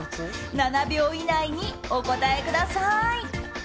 ７秒以内にお答えください。